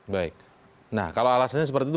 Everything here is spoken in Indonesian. baik nah kalau alasannya seperti itu